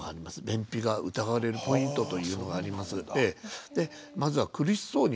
「便秘が疑われるポイント」というのがあります。